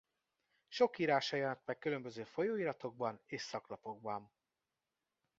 Sok írása jelent meg különböző folyóiratokban és szaklapokban.